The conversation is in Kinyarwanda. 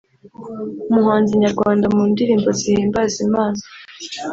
umuhanzi nyarwanda mu ndirimbo zihimbaza Imana